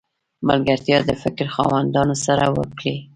ملګرتیا د فکر خاوندانو سره وکړئ!